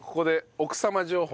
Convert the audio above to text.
奥様情報。